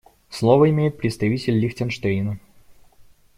Слово имеет представитель Лихтенштейна.